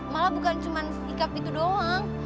malah bukan cuma sikap gitu doang